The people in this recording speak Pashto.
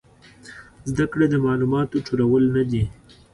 زده کړه د معلوماتو ټولول نه دي